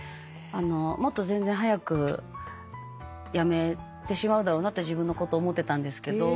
もっと全然早くやめてしまうだろうなって自分のこと思ってたんですけど。